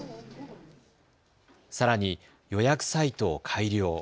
さらに予約サイトを改良。